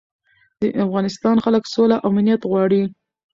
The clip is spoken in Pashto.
د افغانستان خلک سوله او امنیت غواړي.